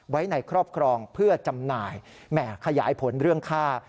ไว้ในครอบครองเพื่อจำหน่ายแหม่ขยายผลเรื่องค่า